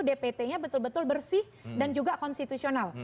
dpt nya betul betul bersih dan juga konstitusional